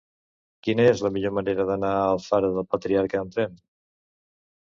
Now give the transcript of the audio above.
Quina és la millor manera d'anar a Alfara del Patriarca amb tren?